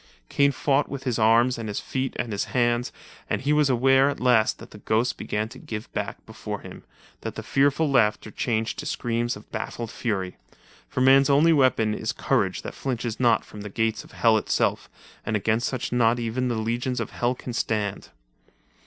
Kane fought with his arms and his feet and his hands, and he was aware at last that the ghost began to give back before him, and the fearful slaughter changed to screams of baffled fury. For man's only weapon is courage that flinches not from the gates of Hell itself, and against such not even the legions of Hell can stand.